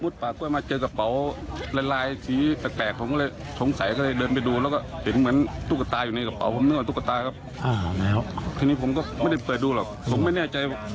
ส่วนตำรวจก็สันนิษฐานนะคะว่าสบหญิงชาวจีนรายนี้